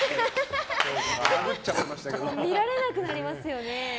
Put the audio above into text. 見られなくなりますよね。